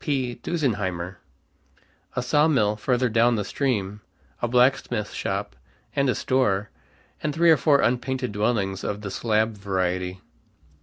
P. Dusenheimer," a sawmill further down the stream, a blacksmith shop, and a store, and three or four unpainted dwellings of the slab variety.